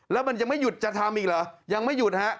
แล้วมันยังไม่หยุดจะทำอีกเหรอยังไม่หยุดฮะ